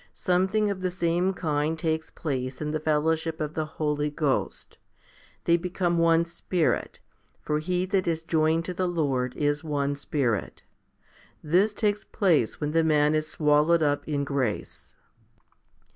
Something of the same kind takes place in the fellowship of the Holy Ghost. They become one Spirit, for he that is joined to the Lord is one spirit. 2 This takes place when the man is swallowed up in grace.